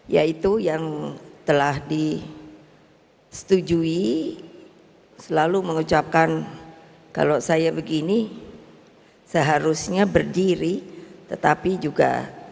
yaitu yang telah disetujui selalu mengucapkan kalau saya begini seharusnya berdiri tetapi juga